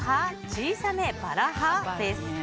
小さめバラ派？です。